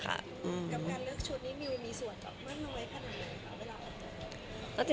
กับการเลือกชุดที่มิวมีส่วนไหมว่ามองไว้ขนาดไหน